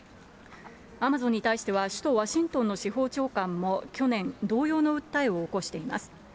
アマゾンに対しては首都ワシントンの司法長官も去年、同様の訴えを起こしています。